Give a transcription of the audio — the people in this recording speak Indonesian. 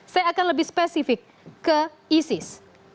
saya akan lebih spesifik ke isis